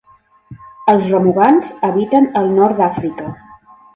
Els remugants habiten al nord d'Àfrica.